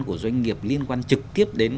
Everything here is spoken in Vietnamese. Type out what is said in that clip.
của doanh nghiệp liên quan trực tiếp đến